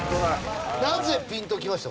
なぜピンときました？